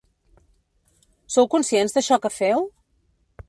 Sou conscients d’això que feu?